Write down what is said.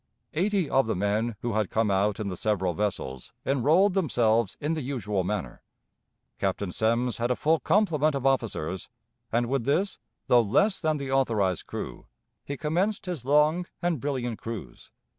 Eighty of the men who had come out in the several vessels enrolled themselves in the usual manner. Captain Semmes had a full complement of officers, and with this, though less than the authorized crew, he commenced his long and brilliant cruise.